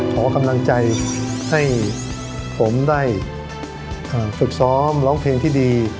ขอกำลังใจให้ผมได้ฝึกซ้อมร้องเพลงที่ดี